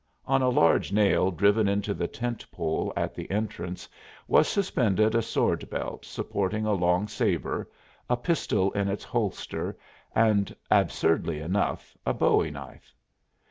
On a large nail driven into the tent pole at the entrance was suspended a sword belt supporting a long sabre, a pistol in its holster and, absurdly enough, a bowie knife.